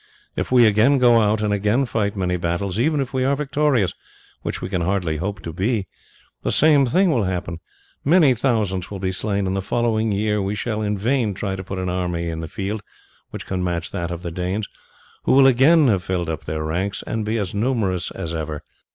If we again go out and again fight many battles, even if we are victorious, which we can hardly hope to be, the same thing will happen. Many thousands will be slain, and the following year we shall in vain try to put an army in the field which can match that of the Danes, who will again have filled up their ranks, and be as numerous as ever.